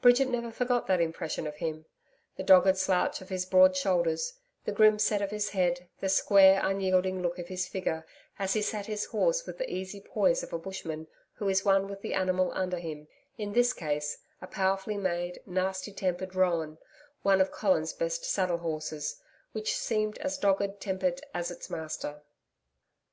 Bridget never forgot that impression of him the dogged slouch of his broad shoulders the grim set of his head, the square, unyielding look of his figure, as he sat his horse with the easy poise of a bushman who is one with the animal under him in this case, a powerfully made, nasty tempered roan, one of Colin's best saddle horses which seemed as dogged tempered as its master.